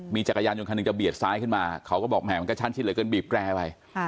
มีจักรยานยนคันหนึ่งจะเบียดซ้ายขึ้นมาเขาก็บอกแหมมันก็ชั้นชิดเหลือเกินบีบแกร่ไป